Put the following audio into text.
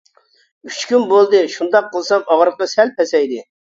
ئۈچ كۈن بولدى، شۇنداق قىلسام ئاغرىقى سەل پەسەيدى.